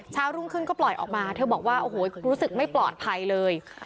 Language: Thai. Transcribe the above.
รุ่งขึ้นก็ปล่อยออกมาเธอบอกว่าโอ้โหรู้สึกไม่ปลอดภัยเลย